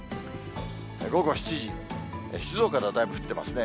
午後７時、静岡ではだいぶ降ってますね。